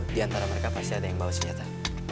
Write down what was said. di antara mereka pasti ada yang bawa senjata